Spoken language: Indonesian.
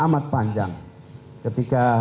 amat panjang ketika